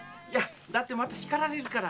だって叱られるから。